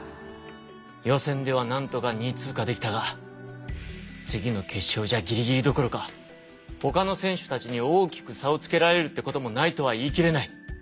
予選ではなんとか２位通過できたが次の決勝じゃギリギリどころかほかの選手たちに大きく差をつけられるってこともないとは言い切れない。